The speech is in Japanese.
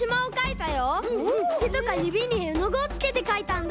てとかゆびにえのぐをつけてかいたんだ！